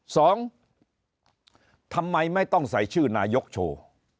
สองทำไมไม่ต้องใส่ชื่อนายกโชว์